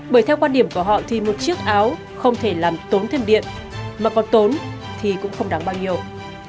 bởi theo quan điểm của họ thì một chiếc áo không thể làm tốn thêm điện mà còn tốn thì cũng không đáng bao nhiêu